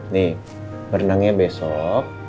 nih berenangnya besok